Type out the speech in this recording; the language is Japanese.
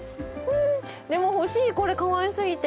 でも、欲しい、これ、かわいすぎて。